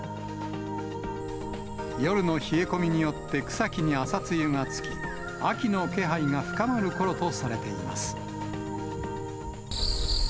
夜の冷え込みによって草木に朝露がつき、秋の気配が深まるころとされています。